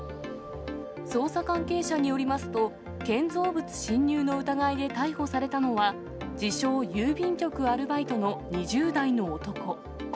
捜査関係者によりますと、建造物侵入の疑いで逮捕されたのは、自称、郵便局アルバイトの２０代の男。